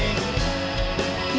lihat ke siang